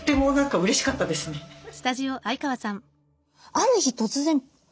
ある日突然あれ？